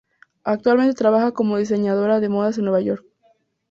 Actualmente trabaja como diseñadora de modas en Nueva York.